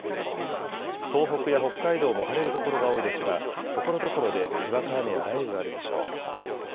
東北や北海道も晴れる所が多いですがところどころでにわか雨や雷雨があるでしょう。